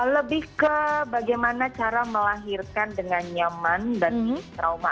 lebih ke bagaimana cara melahirkan dengan nyaman dan trauma